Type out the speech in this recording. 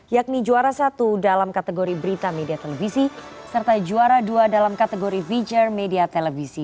yakni juara satu dalam kategori berita media televisi serta juara dua dalam kategori feature media televisi